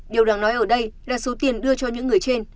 điều đáng nói ở đây là số tiền đưa cho những người trên